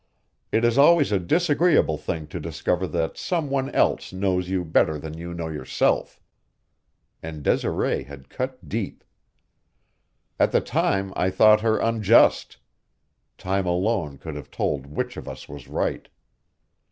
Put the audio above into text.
It is always a disagreeable thing to discover that some one else knows you better than you know yourself. And Desiree had cut deep. At the time I thought her unjust; time alone could have told which of us was right.